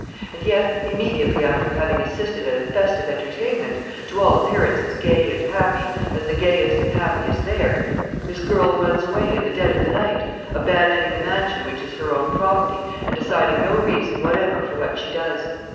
And yet, immediately after having assisted at a festive entertainment, to all appearance as gay and happy as the gayest and happiest there, this girl runs away in the dead of the night, abandoning the mansion which is her own property, and assigning no reason whatever for what she does.